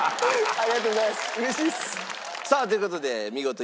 ありがとうございます！